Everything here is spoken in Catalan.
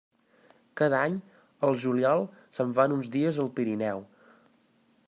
Cada any, al juliol, se'n van uns dies al Pirineu.